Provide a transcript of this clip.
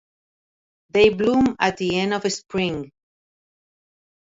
They bloom at the end of spring.